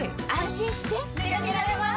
心してでかけられます